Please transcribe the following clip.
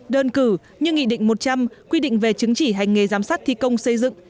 đơn cử như nghị định một trăm linh quy định về chứng chỉ hành nghề giám sát thi công xây dựng